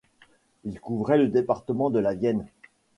Il couvrait le département de la Vienne.